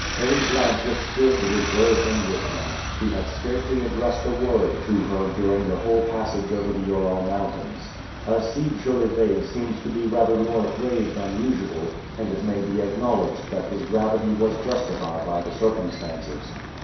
Harry Blount was still the reserved Englishman, who had scarcely addressed a word to her during the whole passage over the Ural Mountains. Alcide Jolivet seemed to be rather more grave than usual, and it may be acknowledged that his gravity was justified by the circumstances.